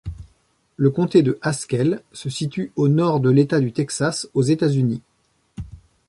Le comté de Haskell se situe au nord de l'État du Texas, aux États-Unis.